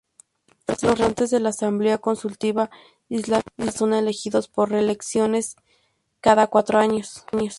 Los representantes de la Asamblea Consultiva Islámica son elegidos por elecciones cada cuatro años.